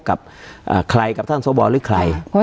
การแสดงความคิดเห็น